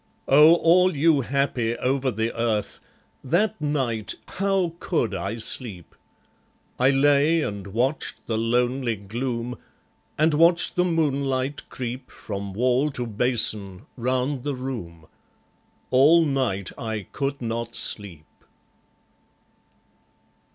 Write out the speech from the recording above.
Oh, all you happy over the earth, That night, how could I sleep? I lay and watched the lonely gloom; And watched the moonlight creep From wall to basin, round the room, All night I could not sleep.